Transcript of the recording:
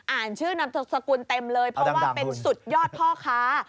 อ่านชื่อนามสกุลเต็มเลยเพราะว่าเป็นสุดยอดพ่อค้า